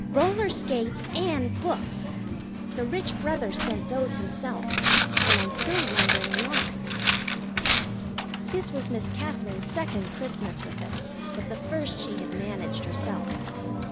Roller skates and books! The rich brother sent those himself, and I'm still wondering why. This was Miss Katherine's second Christmas with us, but the first she had managed herself.